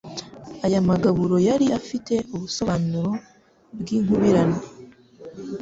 Aya magarubo yari afite ubusobanuro bw'inkubirane.